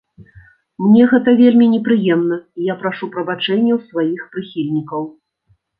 Мне гэта вельмі непрыемна, і я прашу прабачэння ў сваіх прыхільнікаў!